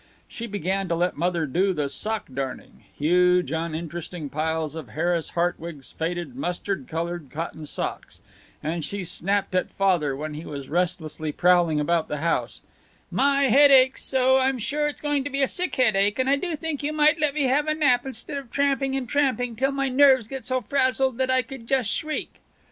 She began to let Mother do the sock darning huge uninteresting piles of Harris Hartwig's faded mustard colored cotton socks, and she snapped at Father when he was restlessly prowling about the house, "My head aches so, I'm sure it's going to be a sick headache, and I do think you might let me have a nap instead of tramping and tramping till my nerves get so frazzled that I could just shriek."